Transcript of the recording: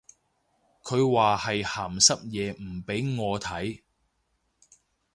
佢話係鹹濕嘢唔俾我睇